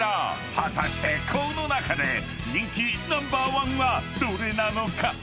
［果たしてこの中で人気ナンバーワンはどれなのか？］